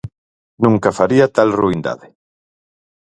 Nunca faría tal ruindade.